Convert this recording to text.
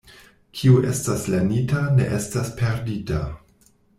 Kio estas lernita, ne estas perdita.